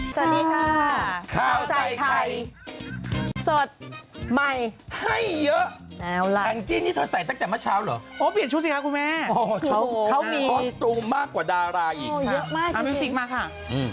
สวัสดีค่ะข้าวใส่ไทยสดใหม่ให้เยอะแล้วล่ะแหล่งจิ้นนี่เธอใส่ตั้งแต่เมื่อเช้าเหรอโอ้เปลี่ยนชุดสิค่ะคุณแม่โอ้โอ้โอ้เขามีโอ้โตมากกว่าดาราอีกค่ะโอ้เยอะมากจริงมาค่ะ